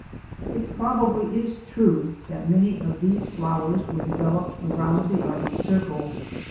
It probably is true that many of these flowers were developed around the Arctic Circle.